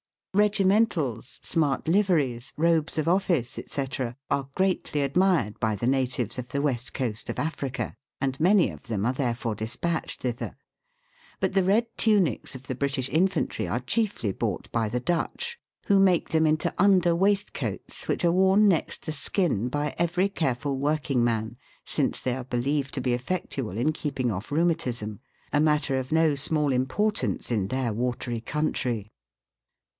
Regimentals, smart liveries, robes of office, &c., are greatly admired by the natives of the West Coast of Africa, and many of them are therefore despatched thither ; but the red tunics of the British infantry are chiefly bought by the Dutch, who make them into under waistcoats which are worn next the skin by every careful working man, since they are believed to be effectual in keeping off rheumatism, a matter of no small importance in their watery country.